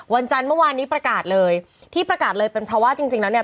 จันทร์เมื่อวานนี้ประกาศเลยที่ประกาศเลยเป็นเพราะว่าจริงจริงแล้วเนี่ย